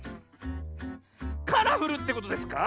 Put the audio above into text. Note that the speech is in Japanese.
カラフルってことですか？